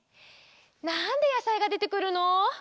なんでやさいがでてくるの？